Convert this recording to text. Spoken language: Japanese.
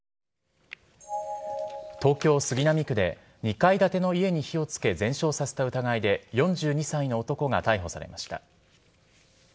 東京・杉並区で２階建ての家に火を付けて全焼させた疑いで４２歳の男が逮捕されました。